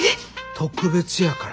特別やから。